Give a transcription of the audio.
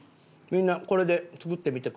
みんなこれで作ってみてくださーい。